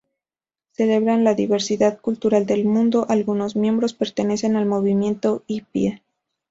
Celebran la diversidad cultural del mundo, algunos miembros pertenecen al movimiento hippie.